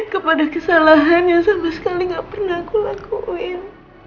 kepada kesalahan yang sama sekali gak pernah aku lakuin